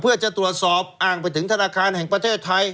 เพื่อจะตรวจสอบอ้างไปถึงธนาคารแห่งประเทศไทย